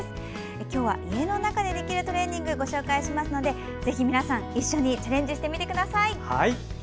今日は家の中でできるトレーニングをご紹介しますのでぜひ皆さん、一緒にチャレンジしてみてください。